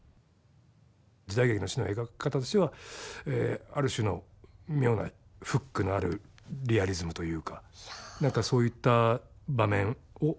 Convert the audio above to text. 時代劇の死の描き方としてはある種の妙なフックのあるリアリズムというか何かそういった場面をみんなで作れた。